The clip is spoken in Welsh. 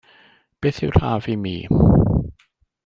Beth Yw'r Haf i Mi?